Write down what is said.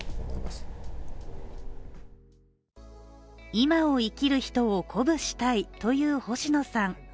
「今を生きる人を鼓舞したい」という星野さん。